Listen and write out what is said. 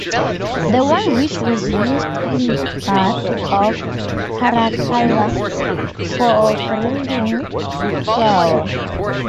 The one which was used in Bath of Caracalla for grinding flour.